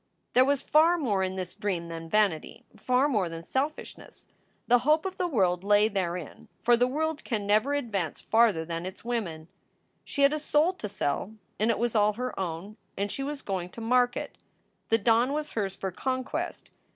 There was far more in this dream than vanity, far more than selfishness. The hope of the world lay therein, for the world can never advance farther than its women. She had a soul to sell and it was all her own, and she was going to market. The dawn was hers for conquest.